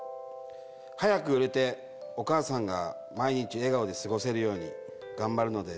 早く売れてお母さんが毎日笑顔で過ごせるように頑張るので